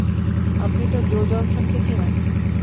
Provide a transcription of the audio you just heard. আপনি Joe Johnson কে চিনেন?